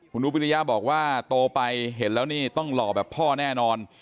คุณอุปิริยะบอกว่าโตไปเห็นแล้วนี่ต้องหล่อแบบพ่อแน่นอน